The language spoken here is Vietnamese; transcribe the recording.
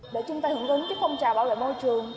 để chúng ta hưởng ứng phong trào bảo vệ môi trường